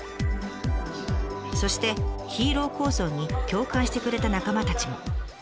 そしてヒーロー構想に共感してくれた仲間たちも。